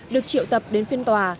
được triệu tập đến phiên tòa